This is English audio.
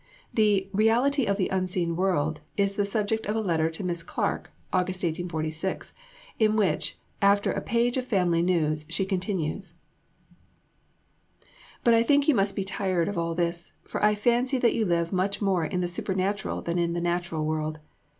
The Reality of the Unseen World is the subject of a letter to Miss Clarke (August 1846), in which, after a page of family news, she continues: But I think you must be tired of all this, for I fancy that you live much more in the supernatural than the natural world.